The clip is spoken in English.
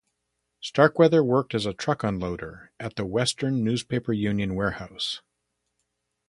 Starkweather worked as a truck unloader at the Western Newspaper Union warehouse.